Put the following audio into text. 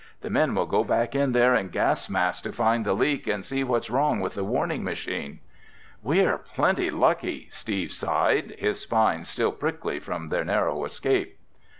"The men will go back in there in gas masks to find the leak and see what's wrong with the warning machine." "We're plenty lucky!" Steve sighed, his spine still prickly from their narrow escape.